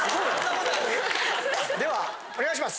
ではお願いします。